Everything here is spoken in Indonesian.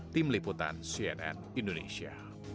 tim liputan cnn indonesia